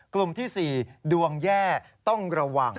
กลุ่มที่๔ดวงแย่ต้องระวัง